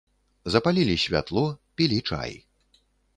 Запалілі святло, пілі чай.